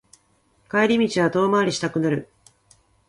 帰り道は遠回りしたくなる